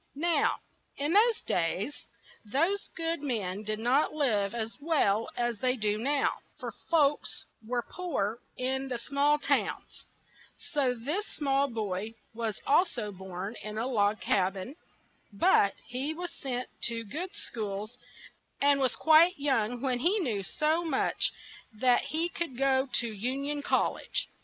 Now, in those days, those good men did not live as well as they do now; for folks were poor in the small towns; so this small boy was al so born in a log cab in; but he was sent to good schools, and was quite young when he knew so much that he could go to Un ion Col lege.